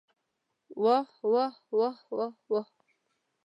واه واه واه واوا واوا.